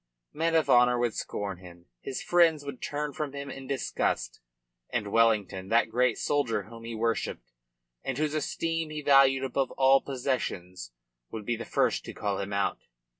Men of honour would scorn him, his friends would turn from him in disgust, and Wellington, that great soldier whom he worshipped, and whose esteem he valued above all possessions, would be the first to cast him out.